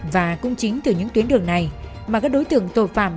và cũng chính từ những tuyến đường này mà các đối tượng tội phạm